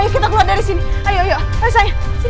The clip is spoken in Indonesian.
ayo kita keluar dari sini